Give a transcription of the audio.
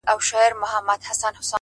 ښه ور نژدې كړې گراني!!